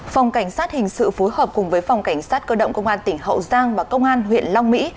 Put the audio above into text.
phòng cảnh sát hình sự phối hợp cùng với phòng cảnh sát cơ động công an tỉnh hậu giang và công an huyện long mỹ